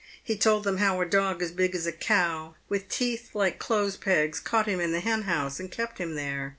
He told them how a dog as big as a cow, with teeth like clothes pegs, caught him in the hen house, and kept him there.